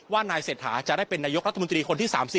ว่านายเศรษฐาจะได้เป็นนายกรัฐมนตรีคนที่๓๐